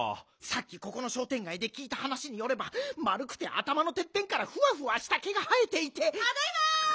さっきここの商店街できいたはなしによればまるくてあたまのてっぺんからフワフワしたケが生えていて。